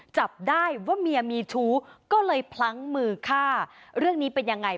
จับได้ว่าเมียมีชู้ก็เลยพลั้งมือฆ่าเรื่องนี้เป็นยังไง